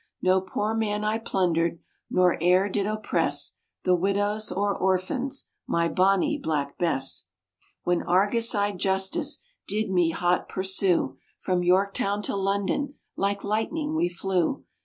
No poor man I plundered Nor e'er did oppress The widows or orphans, My Bonnie Black Bess. When Argus eyed justice Did me hot pursue, From Yorktown to London Like lightning we flew.